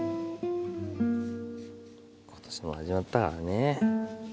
ことしも始まったからね。